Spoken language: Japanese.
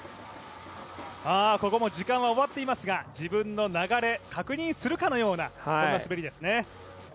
ここも時間は終わっていますが、自分の流れを確認するかのような滑りですね。